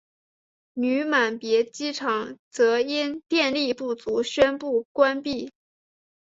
女满别机场则因电力不足宣布关闭。